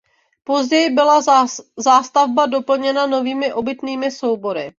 Později byla zástavba doplněna novými obytnými soubory.